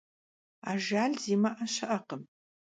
Ajjal zimı'e şı'ekhım.